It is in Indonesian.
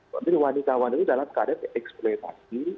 namikawan itu dalam keadaan eksploitasi